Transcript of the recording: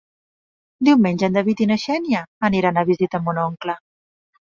Diumenge en David i na Xènia aniran a visitar mon oncle.